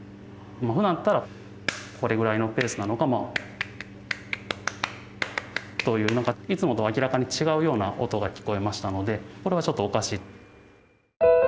ふだんだったらこれぐらいのペースなのが。といういつもとは明らかに違うような音が聞こえましたのでこれはちょっとおかしい。